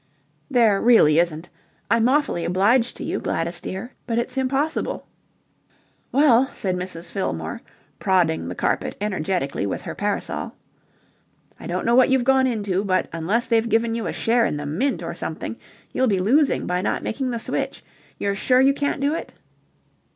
"There really isn't. I'm awfully obliged to you, Gladys dear, but it's impossible." "Well," said Mrs. Fillmore, prodding the carpet energetically with her parasol, "I don't know what you've gone into, but, unless they've given you a share in the Mint or something, you'll be losing by not making the switch. You're sure you can't do it?"